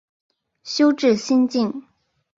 修智心净。